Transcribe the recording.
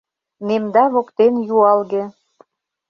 Немда воктен юалге.